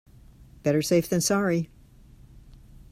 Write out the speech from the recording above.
Better safe than sorry.